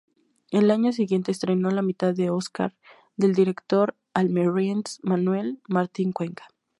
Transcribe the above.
El año siguiente estrenó "La mitad de Óscar", del director almeriense Manuel Martín Cuenca.